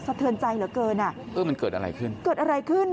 เทือนใจเหลือเกินอ่ะเออมันเกิดอะไรขึ้นเกิดอะไรขึ้น